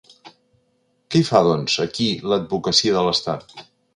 Què hi fa, doncs, aquí l’advocacia de l’estat?